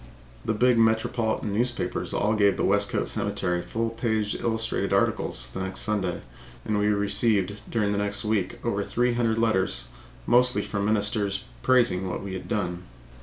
The big metropolitan newspapers all gave the Westcote Cemetery full page illustrated articles the next Sunday, and we received during the next week over three hundred letters, mostly from ministers, praising what we had done.